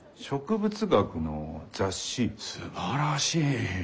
すばらしい。